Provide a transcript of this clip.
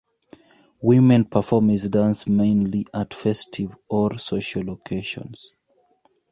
Women perform this dance mainly at festive or social occasions.